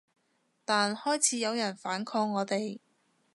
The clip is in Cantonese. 但開始有人反抗我哋